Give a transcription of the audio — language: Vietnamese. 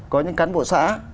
có những cán bộ xã